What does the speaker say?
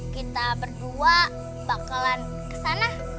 kita berdua bakalan kesana